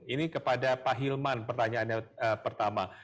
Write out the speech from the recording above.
ini kepada pak hilman pertanyaannya pertama